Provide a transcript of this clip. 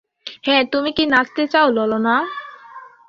হ্যাঁ, তুমি কি নাচতে চাও, ললনা?